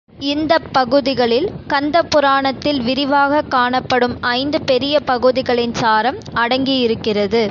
இந்தப் பகுதிகளில் கந்தப்புராணத்தில் விரிவாகக் காணப்படும் ஐந்து பெரிய பகுதிகளின் சாரம் அடங்கியிருக்கிறது.